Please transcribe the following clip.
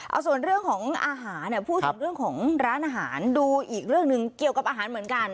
เอาส่วนเรื่องของอาหารเนี่ยพูดถึงเรื่องของร้านอาหารดูอีกเรื่องหนึ่งเกี่ยวกับอาหารเหมือนกัน